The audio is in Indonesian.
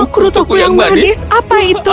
krutoku yang manis apa itu